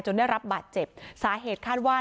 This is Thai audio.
ได้รับบาดเจ็บสาเหตุคาดว่า